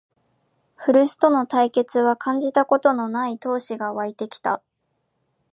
古巣との対決は感じたことのない闘志がわいてきた